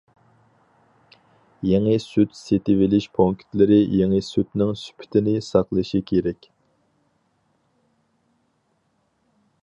يېڭى سۈت سېتىۋېلىش پونكىتلىرى يېڭى سۈتنىڭ سۈپىتىنى ساقلىشى كېرەك.